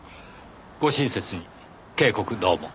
ご親切に警告どうも。